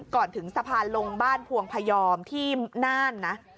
ถึงสะพานลงบ้านพวงพยอมที่น่านนะ